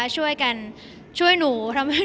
ช่วยกันช่วยหนู